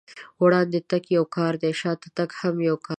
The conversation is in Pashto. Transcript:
وړاندې تګ يو کار دی، شاته تګ هم يو کار دی.